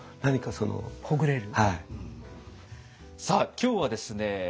さあ今日はですね